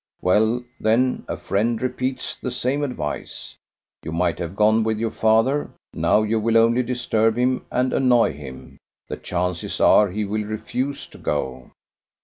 Well, then, a friend repeats the same advice. You might have gone with your father: now you will only disturb him and annoy him. The chances are he will refuse to go."